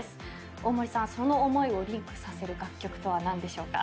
大森さんその思いをリンクさせる楽曲とは何でしょうか？